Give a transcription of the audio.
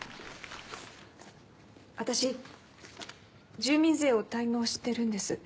私住民税を滞納してるんです。